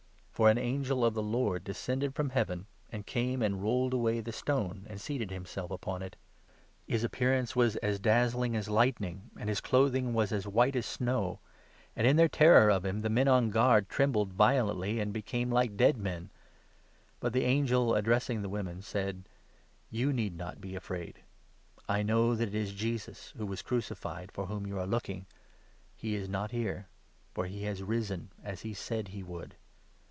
For an angel of the Lord descended from Heaven, and came and rolled away the stone, and seated himself upon it. His appearance was as " Wisd. of Sol. a. 18. MATTHEW, 28. 99 dazzling as lightning, and his clothing was as white as snow ; and, in their terror of him, the men on guard trembled violently 4 and became like dead men. But the angel, addressing the 5 women, said :" You need not be afraid. I know that it is Jesus, who was crucified, for whom you are looking. He is not here ; for he 6 has risen, as he said he would.